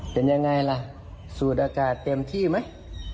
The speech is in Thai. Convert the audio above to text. เป็นยังไงล่ะสูดอากาศเต็มที่ไหม